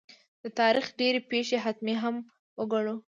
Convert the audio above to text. د تاریخ ډېرې پېښې حتمي هم وګڼو.